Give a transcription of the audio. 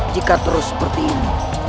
jika terus seperti ini